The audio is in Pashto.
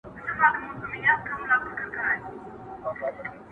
ور په یاد یې د دوږخ کړل عذابونه!